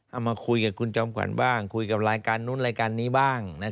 เอามาคุยกับคุณจอมขวัญบ้างคุยกับรายการนู้นรายการนี้บ้าง